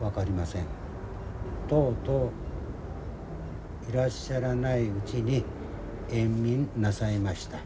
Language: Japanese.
とうとういらっしゃらないうちに永眠なさいました。